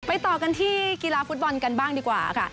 ต่อกันที่กีฬาฟุตบอลกันบ้างดีกว่าค่ะ